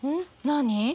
何？